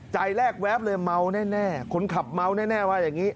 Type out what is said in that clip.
ใจแรกแวบเลยเมาแน่คนขับเมาแน่ว่าอย่างนี้